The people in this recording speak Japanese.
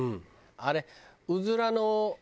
あれ？